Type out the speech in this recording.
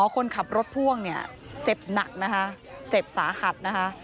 คนขับรถพ่วงเนี่ยเจ็บหนักนะคะเจ็บสาหัสนะคะ